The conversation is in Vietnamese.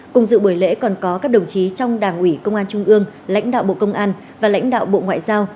cùng dự buổi lễ còn có các đồng chí trong đảng ủy công an trung ương lãnh đạo bộ công an và lãnh đạo bộ ngoại giao